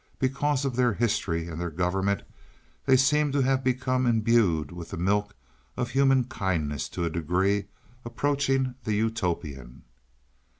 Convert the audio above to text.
Because of their history and their government they seem to have become imbued with the milk of human kindness to a degree approaching the Utopian.